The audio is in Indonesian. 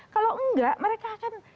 kalau tidak mereka akan